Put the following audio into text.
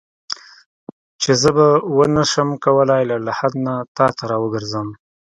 چې زه به ونه شم کولای له لحد نه تا ته راوګرځم.